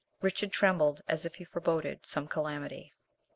Richard trembled as if he foreboded some calamity.